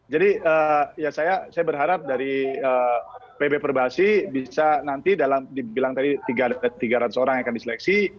jadi saya berharap dari pb perbahasi bisa nanti dalam dibilang tadi tiga ratus orang yang akan diseleksi